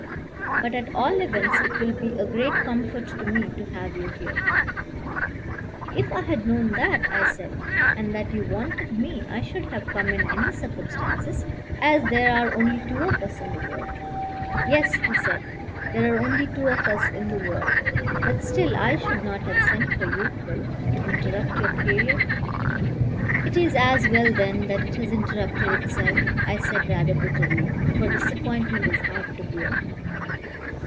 But at all events it will be a great comfort to me to have you here." "If I had known that," I said, "and that you wanted me, I should have come in any circumstances. As there are only two of us in the world " "Yes," he said, "there are only two of us in the world; but still I should not have sent for you, Phil, to interrupt your career." "It is as well, then, that it has interrupted itself," I said rather bitterly; for disappointment is hard to bear.